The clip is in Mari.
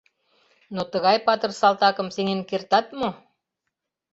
Но тыгай патыр салтакым сеҥен кертат мо.?